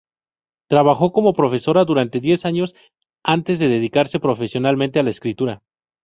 Trabajó como profesora durante diez años antes de dedicarse profesionalmente a la escritura.